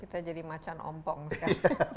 kita jadi macan ompong sekarang